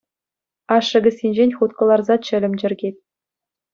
Ашшӗ кӗсйинчен хут кӑларса чӗлӗм чӗркет.